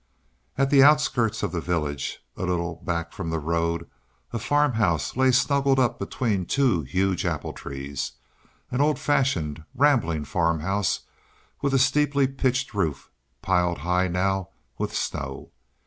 At the outskirts of the village, a little back from the road, a farmhouse lay snuggled up between two huge apple trees an old fashioned, rambling farmhouse with a steeply pitched roof, piled high now, with snow.